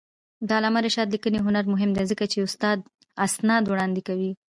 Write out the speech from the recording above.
د علامه رشاد لیکنی هنر مهم دی ځکه چې اسناد وړاندې کوي.